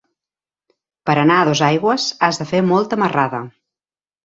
Per anar a Dosaigües has de fer molta marrada.